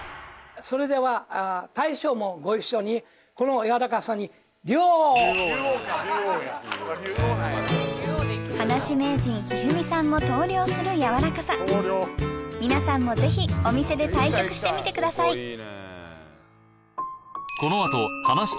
それでは大将もご一緒に歯無し名人一二三さんも投了するやわらかさ皆さんもぜひお店で対局してみてくださいうわ！！